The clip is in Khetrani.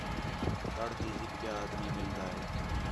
تڑ تی ہِک ٻِیا آدمی مِلدا ہِے